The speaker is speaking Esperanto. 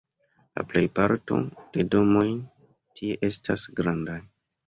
La plejparto de domoj tie estas grandaj.